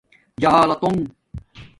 جہالتونݣ